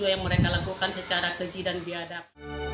yang mereka lakukan secara keji dan biadab